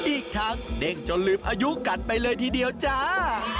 อีกทั้งเด้งจนลืมอายุกัดไปเลยทีเดียวจ้า